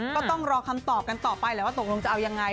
ก็ต้องรอคำตอบกันต่อไปแหละว่าตกลงจะเอายังไง